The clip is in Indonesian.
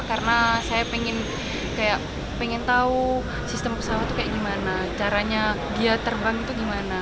karena saya pengen tahu sistem pesawat itu kayak gimana caranya dia terbang itu gimana